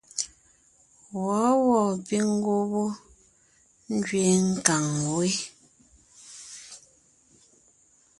Wɔ̌wɔɔ píŋ ngwɔ́ wó ngẅeen nkàŋ wé.